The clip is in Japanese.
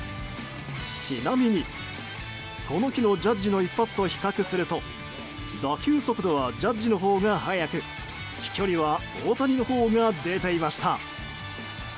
ちなみに、この日のジャッジの一発と比較すると打球速度はジャッジのほうが速く飛距離は大谷のほうが出ていました。